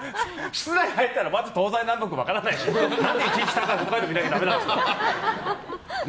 室内に入ったら、まず東西南北分からないし、何で１日３回北海道見ないとなんですか。